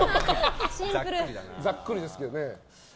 ざっくりですけどね。